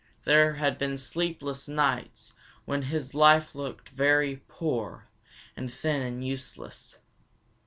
There had been sleepless nights when his life had looked very poor and thin and useless.